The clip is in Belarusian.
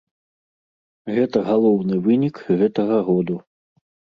Гэта галоўны вынік гэтага году.